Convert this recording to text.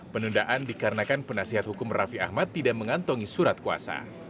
penundaan dikarenakan penasihat hukum raffi ahmad tidak mengantongi surat kuasa